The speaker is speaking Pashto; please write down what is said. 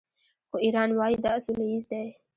خو ایران وايي دا سوله ییز دی.